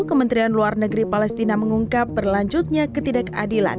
kementerian luar negeri palestina mengungkap berlanjutnya ketidakadilan